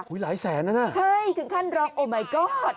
หูยหลายแสนแล้วน่ะใช่ถึงขั้นรถโอ้มายก็อด